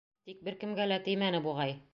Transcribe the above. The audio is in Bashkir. Тик бер кемгә лә теймәне, буғай.